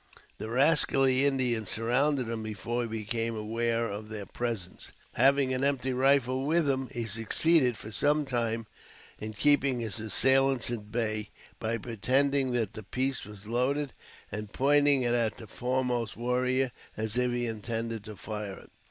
The rascally Indians surrounded him before he became aware of their presence. Having an empty rifle with him, he succeeded, for some time, in keeping his assailants at bay, by pretending that the piece was loaded and pointing it at the foremost warrior as if he intended to fire it.